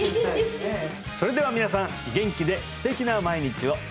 それでは皆さん元気で素敵な毎日を！